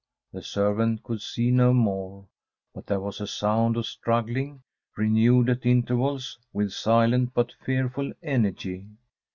The servant could see no more; but there was a sound of struggling, renewed at intervals with silent but fearful energy.